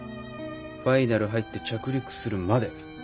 ファイナル入って着陸するまで。